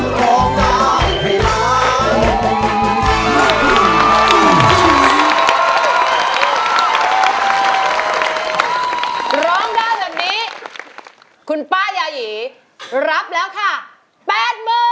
ร้องด้านตอนนี้คุณป้ายายีรับแล้วค่ะ๘๐๐๐๐บาท